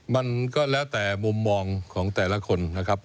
มันก็แล้วแต่มุมมองของแต่ละคนนะครับ